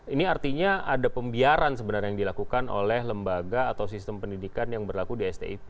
ini artinya ada pembiaran sebenarnya yang dilakukan oleh lembaga atau sistem pendidikan yang berlaku di stip